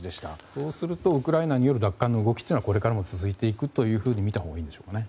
そうするとウクライナによる奪還の動きはこれからも続いていくというふうにみたほうがいいんでしょうね。